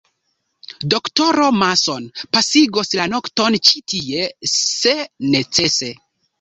Doktoro Mason pasigos la nokton ĉi tie, se necese.